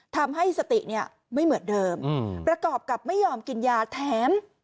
ทำให้สติเนี่ยไม่เหมือนเดิมประกอบกับไม่ยอมกินยาแถม